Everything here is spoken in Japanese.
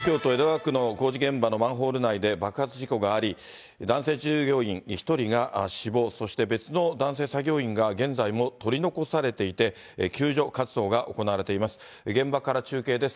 きょう午前、東京都江戸川区の工事現場のマンホール内で爆発事故があり、男性従業員１人が死亡、そして別の男性作業員が現在も取り残されていて、救助活動が行われています。